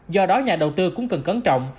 do đó nhà đầu tư cũng cần cấn trọng